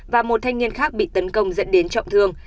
và một thanh niên khác bị tấn công dẫn đến trọng thương